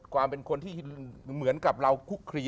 ความเป็นคนที่เหมือนกับเราคุกคลี